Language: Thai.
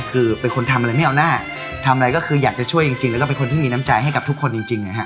คือเป็นคนทำอะไรไม่เอาหน้าทำอะไรก็คืออยากจะช่วยจริงแล้วก็เป็นคนที่มีน้ำใจให้กับทุกคนจริงจริงนะฮะ